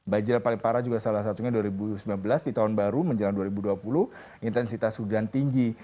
banjir yang paling parah juga salah satunya dua ribu sembilan belas di tahun baru menjelang dua ribu dua puluh intensitas hujan tinggi